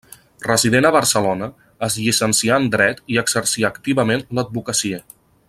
Resident a Barcelona, es llicencià en dret i exercí activament l'advocacia.